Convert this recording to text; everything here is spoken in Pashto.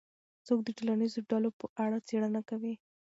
څوک د ټولنیزو ډلو په اړه څېړنه کوي؟